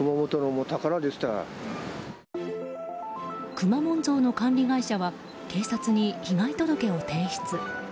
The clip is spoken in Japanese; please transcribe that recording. くまモン像の管理会社は警察に被害届を提出。